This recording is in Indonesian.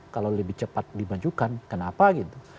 kalau lebih cepat dimajukan kenapa gitu